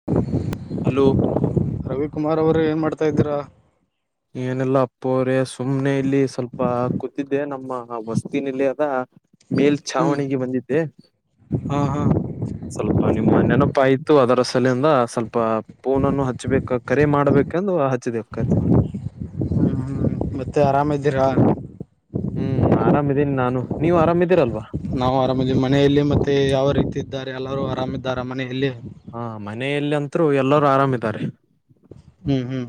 [inaudible] Hello [unintelligible] Ravikumar ಅವರೆ ಏನ್ ಮಾಡ್ತಾ ಇದೀರಾ [unintelligible] ಏನೆಲ್ಲಾ ಅಪ್ಪ ಅವ್ರೆ ಸುಮ್ನೆ ಇಲ್ಲಿ ಸ್ವಲ್ಪ ಕೂತಿದ್ದೆ ನಮ್ಮ ವಸ್ತಿನಲ್ಲಿ ಹ ಹ್ಮ್ ಮೇಲ್ಛಾವಣಿಗೆ ಬಂದಿದ್ದೆ ಹಾ ಹಾ ಸ್ವಲ್ಪ ನಿಮ್ಮ ನೆನಪ ಆಯ್ತು ಅದರ ಸಲೆಯಿಂದ ಸ್ವಲ್ಪ ಪೂನನ್ನು ಹಚ್ಚಬೇಕು ಕರೆ ಮಾಡ್ಬೇಕಂದು ಹಚ್ಚಿದೆವು ಕರೆ ಮಾಡ್ ಹ್ಮ್ ಹ್ಮ್ ಮತ್ತೆ ಆರಾಮ್ ಇದ್ದೀರಾ ಹ್ಮ್ ಆರಾಮ ಇದೀನಿ ನಾನು ನೀವು ಆರಾಮ್ದೀರಲ್ವಾ ನಾವು ಆರಾಮಿದೀವಿ ಮನೆಯಲ್ಲಿ ಮತ್ತೆ ಯಾರು ಇದಿದಾರೆ ಎಲ್ಲಾರೂ ಆರಾಮ ಇದ್ದಾರ ಮನೆಯಲ್ಲಿ ಹಾ ಮನೆಯಲ್ಲಿ ಅಂತರು ಎಲ್ಲರೂ ಆರಾಮಿದ್ದಾರೆ. ಹ್ಮ್ ಹ್ಮ್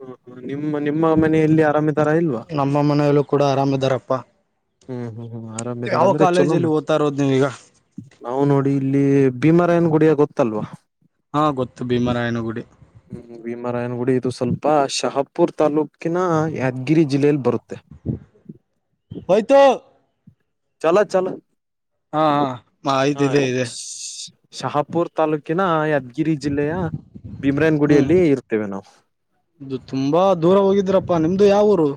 ಹ್ಮ ಹ ನಿಮ್ಮ ನಿಮ್ಮ ಮನೆಯಲ್ಲಿ ಆರಾಮ ಇದಾರ ಇಲ್ವಾ ನಮ್ಮ ಮನೆಯಲ್ಲೂ ಕೂಡ ಆರಾಮಿದಾರಪ್ಪ ಹ್ಮ್ ಹ್ಮ್ ಹ್ಮ್ ಆರಾಮಿದಾರ ಯಾವ ಅಂದ್ರೆ ಚೊಲೋಮ್ಮ ಕಾಲೇಜಲ್ಲಿ ಓದ್ತಾ ಇರೋದ್ ನೀವೀಗ ನಾವು ನೋಡಿ ಇಲ್ಲಿ ಭೀಮರಾಯನ್ ಗುಡಿಯ ಗೊತ್ತಲ್ವಾ ಹಾ ಗೊತ್ತು ಭೀಮರಾಯನಗುಡಿ ಹ್ಮ್ ಭೀಮಾರಾಯನಗುಡಿ ಇದು ಸ್ವಲ್ಪ ಶಹಪುರ್ ತಾಲ್ಲೂಕಿನ ಯಾದಗಿರಿ ಜಿಲ್ಲೆಯಲ್ಲಿ ಬರುತ್ತೆ ಹೋಯಿತು ಚಲೋ ಚಲೋ ಹಾ ಹಾ ಆಯ್ತ ಇದೆ ಇದೆ ಶಹಾಪುರ್ ತಾಾಲೂಕಿನ ಯಾದ್ಗಿರಿ ಜಿಲ್ಲೆಯ ಭೀಮ್ರೇನ್ ಹ್ಮ್ ಗುಡಿಯಲ್ಲಿ ಇರ್ತೇವೆ ನಾವು ಇದು ತುಂಬಾ ದೂರ ಹೋಗಿದ್ರಪ್ಪಾ ನಿಮ್ದು ಯಾವೂರು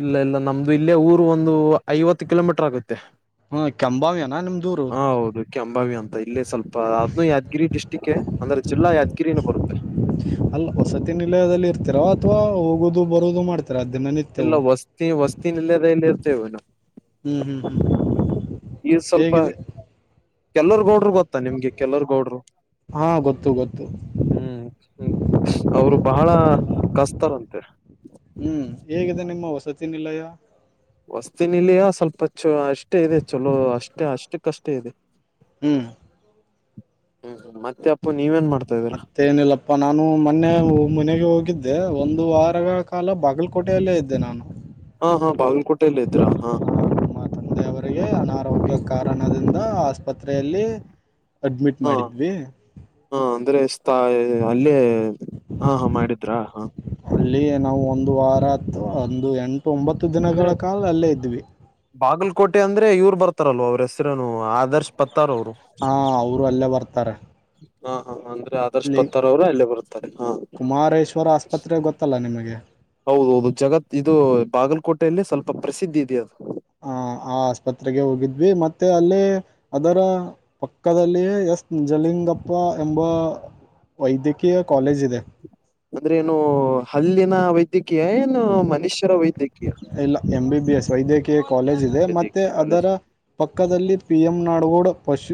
ಇಲ್ಲ ಇಲ್ಲ ನಮ್ದು ಇಲ್ಲೇ ಊರು ಒಂದು ಐವತ್ತು ಕಿಲೋಮೀಟರ್ ಆಗುತ್ತೆ ಹ್ಮ ಕೆಂಬಾಮಿ ಅನಾ ನಿಮ್ದೂರು ಕೆಅಂಬಾವಿ ಅಂತ ಇಲ್ಲಿ ಸ್ವಲ್ಪ ಅದ್ನು ಯಾದ್ಗಿರಿ ಡಿಸ್ಟ್ರಿಕ್ ಅಂದ್ರೆ ಜಿಲ್ಲಾ ಯಾದ್ಗಿರಿನೆ ಬರುತ್ತೆ ಅಲ್ಲ ವಸತಿ ನಿಲಯದಲ್ಲಿ ಇರ್ತೀರ ಅಥವಾ ಹೋಗೋದು ಬರದು ಮಾಡ್ತರಾ ದಿನ ಇಲ್ಲ ವಸ್ತಿ ವಸ್ತಿನಿಲಯದಲ್ಲಿ ಇರ್ತೇವೆ ನಾವು ಹ್ಮ್ ಹ್ಮ್ ಹ್ಮ್ ಹೇಗಿದೆ ಕೆಲ್ಲರ್ಗೌಡರು ಗೊತ್ತಾ ನಿಮ್ಗೆ ಕೆಲ್ಲರ್ಗೌಡರು ಹಾಂ ಗೊತ್ತು ಗೊತ್ತು ಹ್ಮ್ ಹ್ಮ ಅವ್ರು ಬಹಳ ಕಷ್ಟತರಂತೆ ಹ್ಮ್ ಹೇಗಿದೆ ನಿಮ್ಮ ವಸತಿ ನಿಲಯ ವಸತಿ ನಿಲಯ ಸ್ವಲ್ಪ ಚ ಅಷ್ಟೇ ಇದೆ ಚಲೋ ಅಷ್ಟೇ ಅಷ್ಟಕ್ಕಷ್ಟೇ ಇದೆ ಹ್ಮ್ ಹ್ಮ ಮತ್ತೆ ಅಪ್ಪು ನೀವೇನ್ ಮಾಡ್ತಾ ಇದ್ದೀರಾ ಏನಿಲ್ಲಪ್ಪ ನಾನು ಮೊನ್ನೆ ಮನೆಗೆ ಹೋಗಿದ್ದೆ ಒಂದು ವಾರ ಕಾಲ ಬಾಗಲಕೋಟೆಯಲ್ಲೇ ಇದ್ದೆ ನಾನು ಓಹೋ, ಬಾಗಲ್ಕೋಟೆಯಲ್ಲಿ ಇದ್ರ ಹಾ ನಮ್ಮ ತಂದೆಯವರಿಗೆ ಅನಾರೋಗ್ಯ ಕಾರಣದಿಂದ ಆಸ್ಪತ್ರೆಯಲ್ಲಿ ಅಡ್ಮಿಟ್ ಹಾ ಮಾಡಿದ್ವಿ. ಹಾ, ಅಂದ್ರೆ ದೋಸ್ತ ಅಲ್ಲೇ ಹಾ, ಹಾ ಮಾಡಿದ್ರಾ ಹಾ ಅಲ್ಲಿ ನಾವು ಒಂದು ವಾರ ಅಥವಾಒಂದು ಎಂಟು ಒಂಬತ್ತು ದಿನಗಳ ಅಂದ್ರೆ ಕಾಲ ಅಲ್ಲೇ ಇದ್ವಿ. ಬಾಗಲಕೋಟೆ ಅಂದ್ರೆ ಇವ್ರು ಬರ್ತಾರಲ್ವ ಅವ್ರ ಹೆಸರೇನು ಆದರ್ಶ್ ಪತ್ತಾರ್ ಅವರು ಹಾ, ಅವರು ಅಲ್ಲೇ ಬರ್ತಾರೆ. ಹಾ, ಹಾ, ಅಂದ್ರೆ- ಇಲ್ಲಿ ಆದರ್ಶಪತ್ತಾರ್ ಅವರ ಅಲ್ಲೇ ಬರುತ್ತಾರೆ. ಹಾ ಕುಮಾರೇಶ್ವರ ಆಸ್ಪತ್ರೆ ಗೊತ್ತಲ್ಲ ನಿಮಗೆ ಹೌದ, ಹೌದು ಜಗತ್ ಇದು ಬಾಗಲಕೋಟೆಯಲ್ಲಿ ಸ್ವಲ್ಪ ಪ್ರಸಿದ್ಧಿ ಇದೆ ಅದು. ಆ, ಆ ಆಸ್ಪತ್ರೆಗೆ ಹೋಗಿದ್ವಿ ಮತ್ತೆ ಅಲ್ಲಿ ಅದರ ಪಕ್ಕದಲ್ಲಿಯ 'ಎಸ್ ನಿಜಲಿಂಗಪ್ಪ' ಎಂಬ ವೈದ್ಯಕೀಯ ಕಾಲೇಜ ಇದೆ. ಅಂದ್ರೆ ಏನು ಹಲ್ಲಿನ ವೈದ್ಯಕೀಯ ಏನು ಮನುಷ್ಯರ ವೈದ್ಯಕೀಯ ಎಮ್, ಬಿ ಬಿ ಎಸ್ ವೈದ್ಯಕೀಯ ಕಾಲೇಜ್ ಇದೆ. ಮತ್ತು ವೈದ್ಯಕೀಯ ಅದರ ಕಾಲೇಜ್ ಪಕ್ಕದಲ್ಲಿ ಪಿ ಎಮ್ ನಾಡಗೋಡ್ ಪಶು,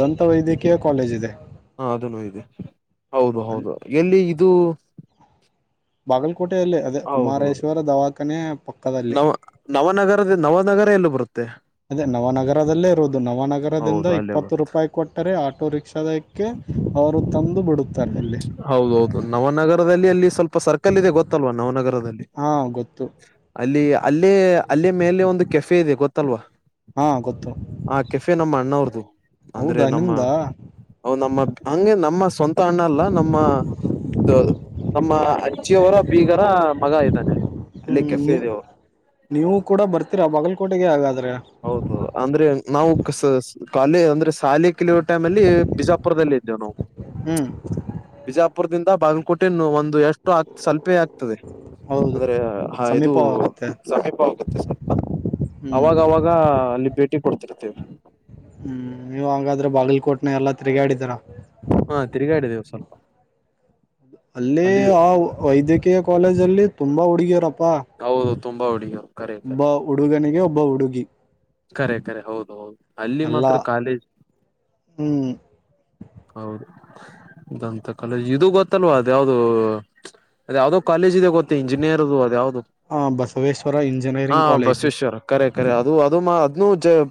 ದಂತ ವೈದ್ಯಕೀಯ ಕಾಲೇಜ್ ಇದೆ. ಹಾ, ಅದನ್ನು ಇದೆ ಹೌದು, ಅಲ್ಲಿ ಹೌದು ಎಲ್ಲಿ ಇದು- ಬಾಗಲಕೋಟೆಯಲ್ಲಿ ಅದೇ ಹೌದೌದು ಕುಮಾರೇಶ್ವರ ದವಾಖಾನೆ ಪಕ್ಕದಲ್ಲಿ. ನವ ನವನಗರದ, ನವನಗರ ಎಲ್ಲೂ ಬರುತ್ತೆ? ಅದೇ ನವನಗರದಲ್ಲೇ ಇರುವುದು ನವನಗರದಿಂದ ಹೌದು ಅಲ್ಲೇ ಬರ್ ಇಪ್ಪತ್ತು ರೂಪಾಯಿ ಕೊಟ್ಟರೆ ಆಟೋ ರಿಕ್ಷಕ್ಕೆ ಅವರು ತಂದು ಬಿಡುತ್ತಾರೆ ಅಲ್ಲಿ. ಹೌದೌದು ನವನಗರದಲ್ಲಿ ಅಲ್ಲಿ ಸ್ವಲ್ಪ ಸರ್ಕಲ್ ಇದೆ ಗೊತ್ತಲ್ವಾ ನವನಗರದಲ್ಲಿ. ಹಾ ಗೊತ್ತು ಅಲ್ಲಿ ಅಲ್ಲೇ ಅಲ್ಲೇ ಮೇಲೆ ಒಂದು ಕೆಫೆ ಇದೆ ಗೊತ್ತಲ್ವಾ ಹಾ ಗೊತ್ತು ಆ ಕೆಫೆ ನಮ್ಮ ಅಣ್ಣವ್ರದು ಅಂದ್ರೆ ಹೌದಾ ನಮ್ಮ ನಿಮ್ದಾ ಹ ನಮ್ಮ ಹಂಗೆ ನಮ್ಮ ಸ್ವಂತ ಅಣ್ಣಾಲ್ಲ ನಮ್ಮ ನಮ್ಮ ನಮ್ಮ ಅಜ್ಜಿಯವರ ಬೀಗರ ಮಗ ಇದ್ದಾನೆ ಅಲ್ಲಿ. ಅಲ್ಲೇ ಹ್ಮ್ ಕೆಫೆ ನೀ ಇದೆವು ನೀವು ಕೂಡ ಬರ್ತೀರಾ ಬಾಗಲ್ಕೋಟೆಗೆ ಹಾಗಾದ್ರೆ- ಹೌದು ಅಂದ್ರೆ ನಾವು ಕಸ ಅಲ್ಲಿಅಂದ್ರೆ ಶಾಲೆ ಕಲಿಯುವ ಟೈಮ್ ಅಲ್ಲಿ ಬಿಜಾಪುರದಲ್ಲಿ ಇದ್ದೇವು ನಾವು. ಹ್ಮ್, ಬಿಜಾಪುರದಿಂದ ಬಾಗಲಕೋಟೇನ್ನು ಒಂದು ಎಷ್ಟು ಆಗ್ ಸ್ವಲ್ಪೆ ಆಗ್ತದೆ ರಿ ಹೌದು ಅಂದ್ರೆ ಹ ಇದು ಸಮೀಪವಾಗುತ್ತೆ ಸಮೀಪ ಆಗುತ್ತೆ ಸ್ವಲ್ಪ. ಹ್ಮ್ ಅವಾಗವಾಗ [unintelligible] ಬೇಟಿ ಕೊಡ್ತಿರ್ತೇವಿ. ಹ್ಮ್, ನೀವ್ ಹಂಗಾದ್ರೆ ಬಾಗಲಕೋಟ್ನಾಗ ಎಲ್ಲಾ ತಿರುಗಾ ಆಡಿದರ. ಹಾ, ತಿಗಾಡಿದೆೇವು ಸ್ವಲ್ಪ ಅಲ್ಲೇ ಅಲ್ಲಿ ಆ ವೈದ್ಯಕೀಯ ಕಾಲೇಜ ಅಲ್ಲಿ ತುಂಬಾ ಹುಡುಗಿಯರಪ್ಪಾ ಹೌದು ತುಂಬಾ ಹುಡಗರು ಕರೇಕ್ಟ ಒಬ್ಬ ಹುಡುಗನಿಗೆ ಒಬ್ಬ ಹುಡುಗಿ ಕರೆ ಕರೆ ಹೌದು ಹೌದು ಅಲ್ಲಿ ಎಲ್ಲಾ ಮಾತ್ರ ಕಾಲೇಜ್ ಹ್ಮ್, ಹೌದು, ದಂತ ಕಾಲೇಜ್ ಇದು ಗೊತ್ತಲ್ವಾ ಅದ ಯಾವ್ದದು ಅದ ಯಾವ್ದೋ ಕಾಲೇಜ್ ಇದೆ ಗೊ ಮತ್ತೆ ಇಂಜಿನಿಯರದು ಅದ ಯಾವ್ದು ಹ ಬಸವೇಶ್ವರ ಹಾ ಇಂಜಿನಿಯರಿಂಗ್ ಕಾಲೇಜ್ 'ಬಸವೇಶ್ವರ್' ಕರೆ, ಕರೆ ಅದು, ಅದು ಮಾ ಅದ್ನು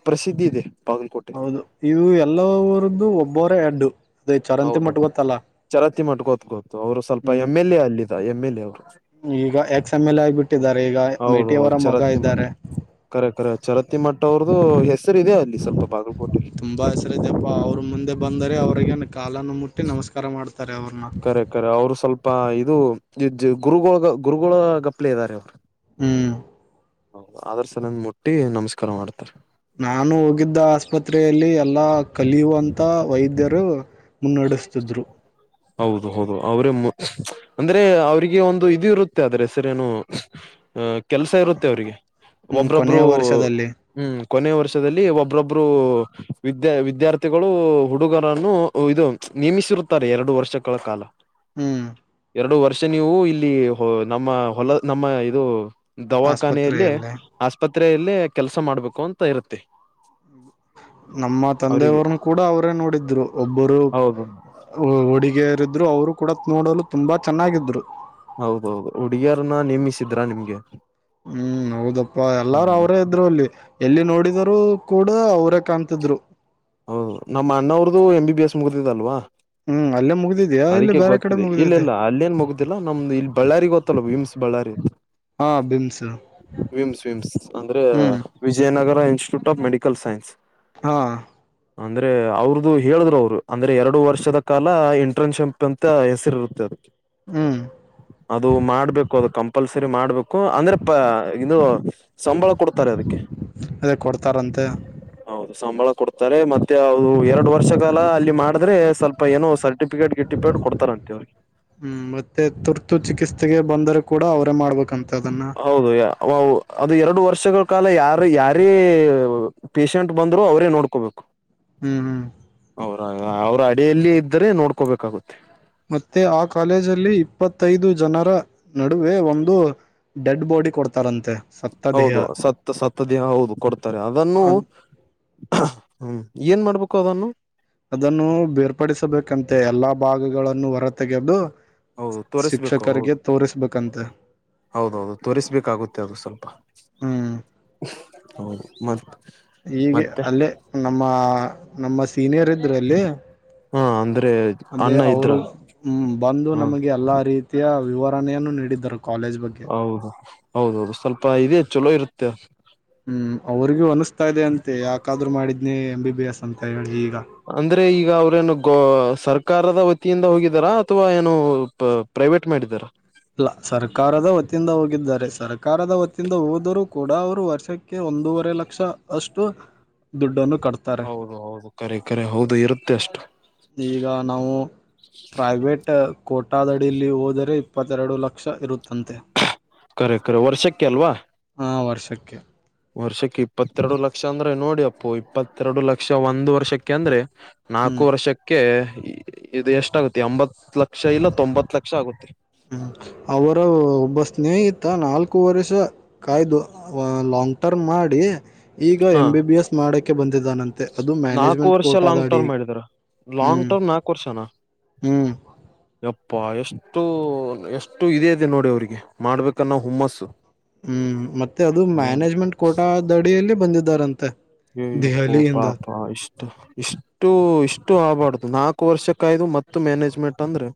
ಪ್ರಸಿದ್ಧಿ ಇದೆ. ಬಾಗಲಕೋಟೆ ಹೌದು ಇದು ಎಲ್ಲವರದ್ದು ಒಬ್ಬರ ಎಡ್ಡು ಅದೇ ಚರಂತಿ ಮಟ್ಟ ಗೊತ್ತಲ್ಲಾ ಚರಾತಿ ಮಾಟ್ಟು ಕೊತ್ ಗೊತ್ತುು ಅವ್ರು ಸ್ವಲ್ಪ ಎಮ್ ಎಲ್ ಎ ಅಲ್ಲಿಗ ಎಂ ಎಲ್ ಎ ಅವ್ರು. ಈಗ ಎಕ್ಸ್ ಎಮ್ ಎಲ್ ಎ ಆಗ್ಬಿಟ್ಟಿದ್ದಾರೆ ಇಗ ಹೌದು ಮೇಟಿ ಹೌದು ಅವರ ಮಗ ಚರತ್ತಿಮಠ ಇದ್ದಾರೆ. ಕರೆ ಕರೆ ಚರತ್ತಿ ಮಠ್ ಅವ್ರ್ದು ಹೆಸರಿದೆ ಅಲ್ಲಿ ಸ್ವಲ್ಪ ಬಾಗಲಕೋಟೆೆಯಲ್ಲಿ. ತುಂಬಾ ಹೆಸರ ಇದಪ್ಪಾ ಅವ್ರರು ಮುಂದೆ ಬಂದರೆ ಅವ್ರಗ ಕಾಲನ್ನು ಮುಟ್ಟಿ ನಮಸ್ಕಾರ ಮಾಡ್ತಾರೆ ಅವ್ರನ್ನ. ಅವ್ರು ಸ್ವಲ್ಪ ಇದು ಇಜ್ಜು ಗುರುಗಳಿಗೆ ಗುರುಗಳೇ ಗಪ್ಲೆ ಇದ್ದಾರೆ. ಹ್ಮ್ ಅವ್ರ್ ಸಲ ಮುಟ್ಟಿ ನಮಸ್ಕಾರ ಮಾಡ್ತರೆ. ನಾನು ಹೋಗಿದ್ದ ಆಸ್ಪತ್ರೆಯಲ್ಲಿ ಎಲ್ಲ ಕಲಿಯುವಂಥ ವೈದ್ಯರು ಮುನ್ನಡೆಸ್ತಿದ್ರು. ಹೌದು ಹೌದು ಅವರೇ [unintelligible] ಅಂದ್ರೆ ಅವ್ರಿಗೆ ಒಂದು ಇದು ಇರುತ್ತೆ ಆದ್ರೆ ಸರಿ ಏನು ಕೆಲ್ಸ ಇರುತ್ತೆ ಅವ್ರಿಗೆ. ಹ್ಮ್ ಒಬ್ರೊಬ್ರು. ಕೊನೆಯ ವರ್ಷದಲ್ಲಿ ಹ್ಮ್ ಕೊನೆ ವರ್ಷದಲ್ಲಿ ಒಬ್ಬ್ರೊಬ್ರು ವಿದ್ಯಾ ವಿದ್ಯಾರ್ಥಿಗಳು ಹುಡುಗರನ್ನ ಹೇ ಉದಯ್ ನಿಯಮಿಸಿರುತ್ತಾರೆ ಎರಡು ವರ್ಷಗಳ ಕಾಲ ಹ್ಮ್ ಎರಡು ವರ್ಷ. ನೀವು ಇಲ್ಲಿ ನಮ್ಮ ಹೊಲ ನಮ್ಮ ಇದು ದವಾಖಾನೆಯಲ್ಲಿ ಆಸ್ಪತ್ರೆಯಲ್ಲಿ ಆಸ್ಪತ್ರೆಯಲ್ಲಿ ಕೆಲ್ಸ ಮಾಡ್ಬೇಕು ಅಂತ ಇರುತ್ತೆ. ನಮ್ಮ ಅವರಿಗೆ ತಂದೆಯವ್ರನು ಕೂಡ ಅವರೇ ನೋಡಿದ್ರು ಒಬ್ಬರು. ಹೌದು ಹುಡುಗಿಯರಿದ್ರು ಅವರು ಕೂಡ ನೋಡಲು ತುಂಬಾ ಚೆನ್ನಾಗಿದ್ರು. ಹೌದೌದು ಹುಡುಗಿಯರನ್ನ ನೇಮಿಸಿದ್ರಾ ನಿಮ್ಗೆ. ಹ್ಮ್ ಹೌದಪ್ಪ ಎಲ್ಲಾರು ಹ್ಮ್ ಅವರೇ ಇದ್ರು ಅಲ್ಲಿ. ಎಲ್ಲಿ ನೋಡಿದರು ಕೂಡ ಅವರೇ ಕಾಣ್ತಿದ್ರು. ಹೌದು ನಮ್ಮ ಅಣ್ಣಾವ್ರುದು ಎಂ ಬಿ ಬಿ ಎಸ್ ಮುಗಿದಿದಲ್ವಾ. ಹ್ಮ್ ಅಲ್ಲೇ ಮುಗ್ದಿದ್ಯಾ ಇಲ್ಲಿ ಅದಕ್ಕೆ ಬೇರೆ ಕಡೆ ಗೊತ್ತಿದೆ ಇಲ್ಲ ಮುಗ್ದಿದೆ ಇಲ್ಲ ಅಲ್ಲೇನ್ ಮುಗು ತಲೆ ನಮ್ದು ಇಲ್ಲಿ ಬಳ್ಳಾರಿ ಗೊತ್ತಲ್ಲ ವಿಮ್ಸ್ ಬಳ್ಳಾರಿ. ಹಾ ಬಿಮ್ಸ್ ವಿಮ್ಸ್ ವಿಮ್ಸ್ ಅಂದ್ರೆ. ಹ್ಮ್ Vijayanagara institute of medical science. ಹಾ ಅಂದ್ರೆ ಅವ್ರದು ಹೇಳಿದರು ಅವ್ರು ಅಂದ್ರೆ ಎರಡು ವರ್ಷದ ಕಾಲ ಇಂಟರ್ನ್ಶಿಪ್ ಅಂತ ಹೆಸರಿ ಇರುತ್ತದೆ. ಓಕೆ ಹ್ಮ್ ಅದು ಮಾಡ್ಬೇಕು ಅದು ಕಂಪಲ್ಸರಿ ಮಾಡ್ಬೇಕು. ಕೊ ಅಂದ್ರೆ ಪ ಇದು ಸಂಬಳ ಕೊಡ್ತಾರೆ ಅದಕ್ಕೆ. ಅದೇ ಕೊಡ್ತಾರಂತೆ ಹೌದು ಸಂಬಳ ಕೊಡ್ತಾರೆ ಮತ್ತೆ ಅದು ಎರಡು ವರ್ಷ ಕಾಲ ಅಲ್ಲಿ ಮಾಡಿದ್ರೆ. ಸ್ವಲ್ಪ ಏನೋ ಸರ್ಟಿಫಿಕೇಟ್ ಗಿಪಿಟೇಡ್ ಕೊಡ್ತಾರಂತೆ. ಹ್ಮ್ ಮತ್ತೆ ತುರ್ತು ಚಿಕಿತ್ಸೆಗೆ ಬಂದರೆ ಕೂಡ ಅವರೇ ಮಾಡ್ಬೇಕಂತೆ ಅದನ್ನ. ಹೌದು ಅದು ಎರಡು ವರ್ಷಗಳ ಕಾಲ ಯಾರು ಯಾರೇ ಪೇಷಂಟ್ ಬಂದ್ರೆ ಅವರೇ ನೋಡ್ಕೋಬೇಕು. ಹ್ಮ್ ಹ್ಮ್ ಅವರ ಅವ್ರ ಅಡಿಯಲ್ಲಿ ಇದ್ದರೆ ನೋಡ್ಕೋಬೇಕಾಗುತ್ತೆ. ಮತ್ತೆ ಆ ಕಾಲೇಜಲ್ಲಿ ಇಪ್ಪತ್ತೈದು ಜನರ ನಡುವೆ ಒಂದು ಡೆಡ್ ಬಾಡಿ ಕೊಡ್ತಾರಂತೆ. ಸತ್ತ ದೇಹ ಹೌದು ಸತ್ತ್ ಸತ್ತ್ ದೇಹ ಹೌದು ಕೊಡ್ತಾರೆ ಅದನ್ನು ಅದ್ ಹ್ಮ್ ಏನ್ ಮಾಡ್ಬೇಕು ಅದನ್ನು, ಅದನ್ನು ಬೇರ್ಪಡಿಸಬೇಕಂತೆ ಎಲ್ಲಾ ಭಾಗಗಳನ್ನು ಹೊರ ತೆಗೆದು. ಹೌದು ತೋರಿಸ್ಬೇಕು ಶಿಕ್ಷಕರಿಗೆ ಹೌದು ತೋರಿಸ್ಬೇಕಂತ್ ಹೌದೌದು ತೋರಿಸ್ಬೇಕಾಗುತ್ತೆ ಅದು ಸ್ವಲ್ಪ ಹ್ಮ್ ಹೌದು [unintelligible] ಹೀಗೆ ಮತ್ತೆ ಅಲ್ಲೇ ನಮ್ಮ ನಮ್ಮ ಸೀನಿಯರ್ ಇದ್ರ ಅಲ್ಲಿ ಹಾ ಅಂದ್ರೆ ಅದೇ ಅಣ್ಣ ಇದ್ರ ಅವರು ಹ್ಮ ಬಂದು ಹಾ ನಮಗೆ ಎಲ್ಲಾ ರೀತಿ [unintelligible] ವಿವರಣೆಯನ್ನು ನೀಡಿದ್ದರು ಕಾಲೇಜ್ ಬಗ್ಗೆ ಹೌದು ಹೌದೌದು ಸ್ವಲ್ಪ ಇದೆ ಚಲೋ ಇರುತ್ತೆ ಹ್ಮ್ ಅವ್ರಿಗೂ ಅನಿಸ್ತಾ ಇದೆ ಅಂತೆ ಯಾಕಾದ್ರರು ಮಾಡಿದ್ನಿ ಎಂ ಬಿ ಬಿ ಎಸ್ ಅಂತ ಹೇಳಿ ಈಗ ಅಂದ್ರೆ ಈಗ ಅವ್ರೇನು ಗೋ ಸರ್ಕಾರದ ವತಿಯಿಂದ ಹೋಗಿದಾರಾ ಅಥವಾ ಏನು ಪ್ರೈವೇಟ್ ಮಾಡಿದಾರ ಇಲ್ಲ ಸರ್ಕಾರದ ವತಿಯಿಂದ ಹೋಗಿದ್ದಾರೆ ಸರ್ಕಾರದ ವತ್ತಿಯಿಂದ ಹೋದರೂ ಕೂಡ ಅವರು ವರ್ಷಕ್ಕೆ ಒಂದೂವರೆ ಲಕ್ಷ ಅಷ್ಟು ದುಡ್ಡನ್ನು ಕಟ್ತಾರೆ [unintelligible] ಕರೆ ಕರೆ ಹೌದು ಇರುತ್ತೆ ಅಷ್ಟು ಈಗ ನಾವು ಪ್ರೈವೇಟ್ ಕೋಟಾದಡಿಲ್ಲಿ ಹೋದರೆ ಇಪ್ಪತ್ತೆರಡು ಲಕ್ಷ ಇರುತ್ತಂತೆ ಕರೆ ಕರೆ ವರ್ಷಕ್ಕೆ ಅಲ್ವಾ ಹಾ ವರ್ಷಕ್ಕೆ ವರ್ಷಕ್ಕೆ ಇಪ್ಪತ್ತೆರಡು ಲಕ್ಷ ಅಂದ್ರೆ ನೋಡಿ ಅಪ್ಪು ಇಪ್ಪತ್ತೆರಡು ಲಕ್ಷ ಒಂದ್ ವರ್ಷಕ್ಕೆ ಅಂದ್ರೆ ಹ್ಮ್ ನಾಲ್ಕು ವರ್ಷಕ್ಕೆ ಇದು ಎಷ್ಟಾಗುತ್ತ ಎಂಬತ್ ಲಕ್ಷ ಇಲ್ಲ ತೊಂಬತ್ ಲಕ್ಷ ಆಗುತ್ತೆ ಹ್ಮ ಅವರ ಒಬ್ಬ ಸ್ನೇಹಿತ ನಾಲ್ಕು ವರ್ಷ ಕಾಯ್ದು ಲಾಂಗ್ ಟರ್ಮ್ ಮಾಡಿ ಈಗ ಹಾ ಎಂ ಬಿ ಬಿ ಎಸ್ ಮಾಡಕ್ಕೆ ಬಂದಿದ್ದಾನಂತೆ ಅದು ನಾಲ್ಕು ಮ್ಯಾನೇಜ್ಮೆಂಟ್ ವರ್ಷ ಲಾಂಗ್ ಕೋಟಾದಡಿ ಟರ್ಮ್ ಮಾಡಿದ್ರ ಲಾಂಗ್ ಹ್ಮ್ ಟರ್ಮ್ ನಾಲ್ಕು ವರ್ಷನಾ ಹ್ಮ್ ಯಪ್ಪಾ ಎಷ್ಟು ಎಷ್ಟು ಇದೆ ಇದೆ ನೋಡಿ ಅವ್ರಿಗೆ ಮಾಡ್ಬೇಕನ್ನೂ ಹುಮ್ಮಸ್ಸು ಹ್ಮ್ ಮತ್ತೆ ಅದು ಹೌದು ಮ್ಯಾನೇಜ್ಮೆಂಟ್ ಕೋಟ ದಡಿಯಲ್ಲಿ ಬಂದಿದ್ದಾರಂತೆ ಏ ಅಪ್ಪು ಅಪ್ಪಾ ದೆಹಲಿಯಿಂದ ಅಪ್ಪ ಇಷ್ಟ ಇಷ್ಟ ಇಷ್ಟು ಇಷ್ಟು ಆಗಬಾರ್ದು ನಾಲ್ಕು ವರ್ಷಕ್ಕಾಯ್ದು ಮತ್ತೆ ಮ್ಯಾನೇಜ್ಮೆಂಟ್ ಅಂದ್ರೆ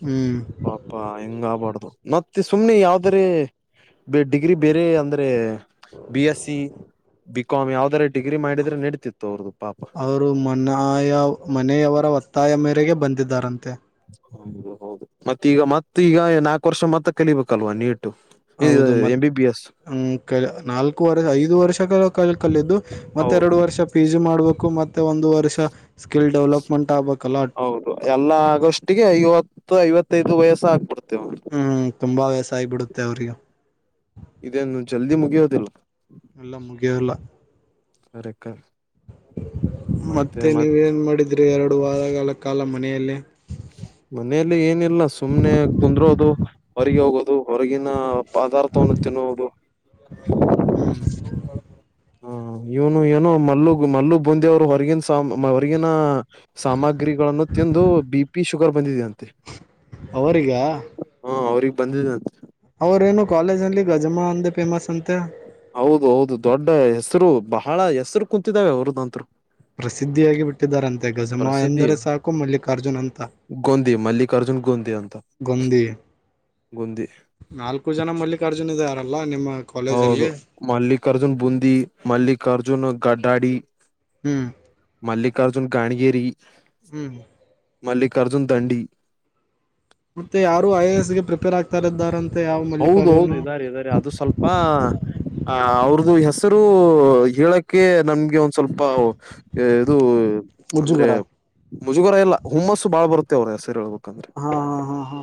ಹ್ಮ್ ಪಾ ಹಿಂಗ ಆಗಬಾರ್ದು ಮತ್ತೆ ಸುಮ್ನೆ ಯಾವ್ದರಿ ಡಿಗ್ರಿ ಬೇರೆ ಅಂದ್ರೆ B S C B com ಯಾವ್ದದಾರ ಡಿಗ್ರಿ ಮಾಡಿದ್ರೆ ನಡೀತಿತ್ತು ಅವ್ರದ್ದ ಪಾಪ ಅವರು ಮನಾಯಾ ಮನೆಯವರ ಒತ್ತಾಯ ಮೇರೆಗೆ ಬಂದಿದ್ದಾರಂತೆ ಹೌದು ಹೌದು ಮತ್ತ ಈಗ ಮತ್ತ ಈಗ ನಾಲ್ಕು ವರ್ಷ ಮತ್ತೆ ಕಲಿಬೇಕಲ್ವಾ ನೀಟು ಇದು ಹೌದು ಮತ್ ಎಂ ಬಿ ಬಿ ಎಸ್ ಹ್ಮ್ ನಾಲ್ಕು ವರೆ ಐದು ವರ್ಷಗಳ ಕಾಲ ಕಲಿದು ಹೌದು ಮತ್ತೆರಡು ವರ್ಷ ಪಿ ಜಿ ಮಾಡ್ಬೇಕು ಮತ್ತೆ ಒಂದು ವರ್ಷ ಸ್ಕಿಲ್ ಡೆವಲಪ್ಮೆಂಟ್ ಆಗ್ಬೇಕಲ್ಲ ಎಲ್ಲ ಆಗೋಷ್ಟಿಗೆ ಐವತ್ತು ಐವತ್ತೈದು ವಯಸ್ಸ ಆಗ್ಬಿಡ್ತೇವೆ ಹ್ಮ್ ತುಂಬಾ ವಯಸ್ಸು ಆಗಿಬಿಡುತ್ತೆ ಅವ್ರಿಗೆ ಇದೇನು ಜಲ್ದಿ ಮುಗಿಯೋದಿಲ್ಲ ಎಲ್ಲ ಮುಗಿಯಲ್ಲ ಆ ರೆಕ್ಕ ಮತ್ತೆ ನೀವೇನ್ ಮಾಡಿದ್ರಿ ಎರಡು ವಾರಗಳ ಕಾಲ ಮನೆಯಲ್ಲೇ ಮನೆಯಲ್ಲಿ ಏನಿಲ್ಲ ಸುಮ್ನೆ ಕುಂದ್ರೋದು ಹೊರಗೆ ಹೋಗೋದು ಹೊರಗಿನ ಪದಾರ್ಥವನ್ನು ತಿನ್ನುವುದು [unintelligible] ಹ್ ಹ್ಮ್ ಇವನು ಏನೋ ಮಲ್ಲುಗ್ ಮಲ್ಲು ಬುಂಧಿವರು ಹೊರಗನ್ ಸ ಹೊರಗಿನ ಸಾಮಗ್ರಿಗಳನ್ನು ತಿಂದು ಬಿ ಪಿ ಶುಗರ್ ಬಂದಿದಿಯಂತೆ ಅವರಿಗ ಹ್ಮ್ ಅವ್ರಿಗೆ ಬಂದಿದೆಯಂತೆ. ಅವ್ರೇನು ಕಾಲೇಜ್ ಅಲ್ಲಿ ಗಜಮ್ಮ ಅಂದೇ ಫೇಮಸ್ ಅಂತೆ ಹೌದು ಹೌದು ದೊಡ್ಡ ಹೆಸರು ಬಹಳ ಹೆಸರು ಕುಂತಿದ್ದಾವೆ ಅವರದಂತೂ ಪ್ರಸಿದ್ಧಿಯಾಗಿ ಬಿಟ್ಟಿದಾರಂತೆ ಗಜಮಾ ಎಂದರೆ ಸಾಕು ಮಲ್ಲಿಕಾರ್ಜುನ್ ಅಂತ. ಗೊಂದಿ ಮಲ್ಲಿಕಾರ್ಜುನ್ ಗೊಂದಿ ಅಂತ ಗೊಂದಿ ಗೊಂದಿ ನಾಲ್ಕು ಜನ ಮಲ್ಲಿಕಾರ್ಜುನ್ ಇದ್ದಾರಲ್ಲ ನಿಮ್ಮ ಹೌದು ಕಾಲೇಜಲ್ಲಿ ಮಲ್ಲಿಕಾರ್ಜುನ್ ಬುಂದಿ ಮಲ್ಲಿಕಾರ್ಜುನ್ ಗಡ್ಡಾಡಿ. ಹ್ಮ್ ಮಲ್ಲಿಕಾರ್ಜುನ್ ಗಾಣಗೇರಿ ಹ್ಮ್ ಮಲ್ಲಿಕಾರ್ಜುನ್ ದಂಡಿ ಮತ್ತೆ ಯಾರು ಐ ಎ ಎಸ್ ಗೆ ಪ್ರಿಪೇರ್ ಆಗ್ತಾ ಇದ್ದಾರಂತೆ ಯಾವ ಹೌದು ಹೌದು ಮಲ್ಲಿಕಾರ್ಜುನ್. ಇದಾರೆ ಇದಾರೆ ಅದು ಸ್ವಲ್ಪ್ ಪ್ಪ ಹಾ ಅವ್ರದು ಹೆಸರು ಹೇಳಕ್ಕ್ ಕೆ ನಮಗೆ ಒಂದು ಸ್ವಲ್ಪ ಇದು ಅಂದ್ರೆ ಮುಜುಗರ ಮುಜುಗರ ಇಲ್ಲ ಹುಮ್ಮಸ್ಸು ಬಾಳ್ ಬರುತ್ತೆ ಅವರು ಹೆಸರು ಹೇಳ್ಬೇಕಂದ್ರೆ. ಹಾ ಹಾ ಹಾ ಹಾ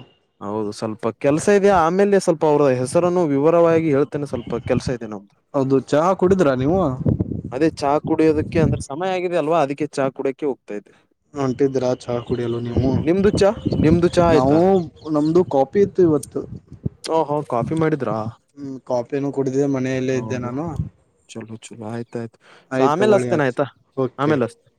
ಹೌದು ಸ್ವಲ್ಪ ಕೆಲಸ ಇದೆ ಆಮೇಲೆ ಸ್ವಲ್ಪ ಅವರ ಹೆಸರನ್ನು ವಿವರವಾಗಿ ಹೇಳ್ ತ್ತಾನೆ ಸ್ವಲ್ಪ ಕೆಲಸ ಇದೇನು. ಹೌದು ಚಹಾ ಕುಡಿದ್ರಾ ನೀವು ಅದೇ ಚಾ ಕುಡಿಯೋದಕ್ಕೆ ಅಂದ್ರೆ ಸಮಯ ಆಗಿದೆ ಅಲ್ವಾ ಅದಕ್ಕೆ ಚಾ ಕುಡಿಯೋಕೆ ಹೋಗ್ತಾ ಇದೆ. ಒಂಟಿದ್ರಾ ಕುಡಿಯಲು ನೀವು ಚಾ ನಿಮ್ದು ಚಾ ಆಯ್ತಾ ನಾವು ನಮದು ಕಾಫಿ ಇತ್ತು ಇವತ್ತು. ಓ ಹೋ ಕಾಫಿ ಮಾಡಿದ್ರಾ. ಹ್ಮ್ ಕಾಫಿನೂ ಕುಡಿದ್ದಿದೆ ಮನೆಯಲ್ಲೇ ಇದ್ದೆ ಹೌದು ನಾನು. ಚಲೋ ಚಲೋ ಆಯ್ತ ಆಯ್ತು ಸ ಆಯ್ತು ಆಮೇಲೆ ತಗೊಳ್ಳಿ ಅಸ್ತೇನೆ ಆಚ್ ಆಯ್ತಾ ಓಕೆ ಆಮೇಲೆ ಅಸ್ತೇನಿ